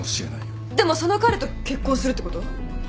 でもその彼と結婚するってこと？